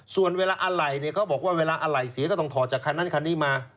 ส่วนเวลาอะไรเนี่ยเขาบอกว่าเวลาอะไหล่เสียก็ต้องถอดจากคันนั้นคันนี้มา